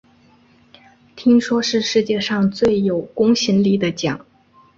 听说是世界上最有公信力的奖